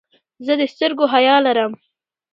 زه د سترګو حیا لرم.